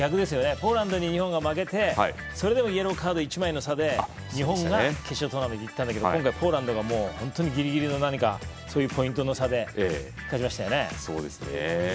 ポーランドに日本が負けてそれでもイエローカード１枚の差で日本が決勝トーナメントにいったんだけど今度はポーランドがギリギリのポイントの差で勝ちましたよね。